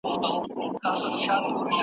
مطالعه تر ټولو غوره عادت دی.